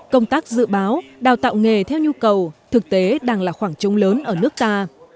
công tác dự báo đào tạo nghề theo nhu cầu thực tế đang là khoảng trống lớn ở nước ta